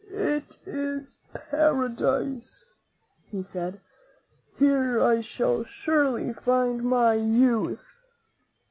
"It is Paradise," he said; "here I shall surely find my youth."